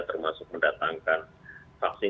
termasuk mendatangkan vaksin